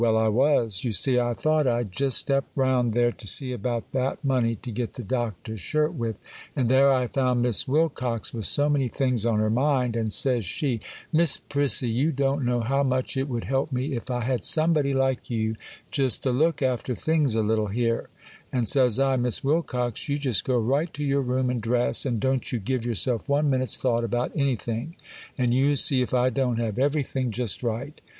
Well, I was. You see, I thought I'd just step round there to see about that money to get the doctor's shirt with, and there I found Miss Wilcox with so many things on her mind, and says she, "Miss Prissy, you don't know how much it would help me if I had somebody like you just to look after things a little here;" and says I, "Miss Wilcox, you just go right to your room and dress, and don't you give yourself one minute's thought about anything, and you see if I don't have everything just right."